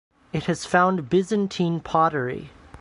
It has found Byzantine pottery.